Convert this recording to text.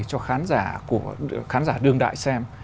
cho khán giả đương đại xem